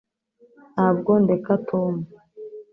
Ntabwo ndeka Tom